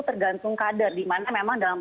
tergantung kader dimana memang dalam